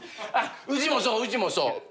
あっうちもそう。